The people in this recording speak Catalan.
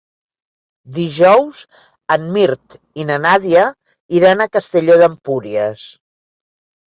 Dijous en Mirt i na Nàdia iran a Castelló d'Empúries.